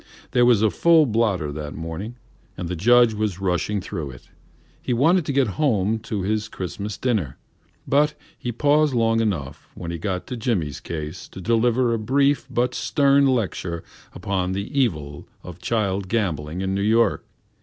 There was a full blotter that morning, and the Judge was rushing through with it. He wanted to get home to his Christmas dinner. But he paused long enough when he got to Jimmy's case to deliver a brief but stern lecture upon the evil of child gambling in New York.